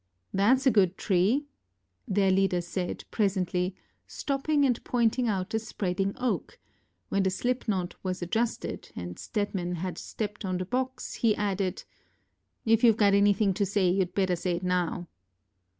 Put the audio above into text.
ŌĆ£ThatŌĆÖs a good tree, ŌĆØ their leader said, presently, stopping and pointing out a spreading oak; when the slipknot was adjusted and Stedman had stepped on the box, he added: ŌĆ£If youŌĆÖve got anything to say, youŌĆÖd better say it now.